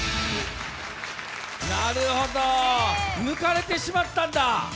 なるほど、抜かれてしまったんだ。